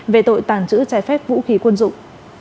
về tội tàng trữ trái phép vũ khí quân dụng